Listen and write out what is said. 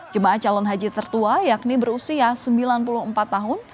jemaah calon haji tertua yakni berusia sembilan puluh empat tahun